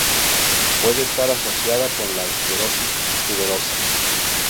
Puede estar asociada con la esclerosis tuberosa.